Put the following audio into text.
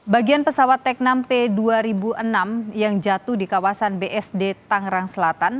bagian pesawat teknam p dua ribu enam yang jatuh di kawasan bsd tangerang selatan